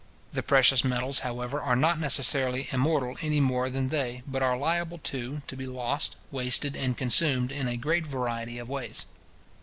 The precious metals, however, are not necessarily immortal any more than they, but are liable, too, to be lost, wasted, and consumed, in a great variety of ways.